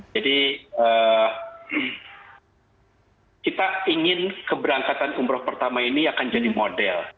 jadi kita ingin keberangkatan umroh pertama ini akan jadi model